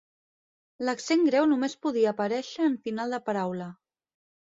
L'accent greu només podia aparèixer en final de paraula.